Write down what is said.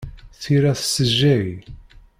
Tira tessejjay.